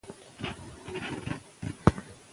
تعلیم لرونکې ښځې پر خپلو حقونو او مسؤلیتونو ښه پوهېږي.